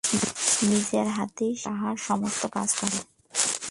নিজের হাতে সে তাঁহার সমস্ত কাজ করে।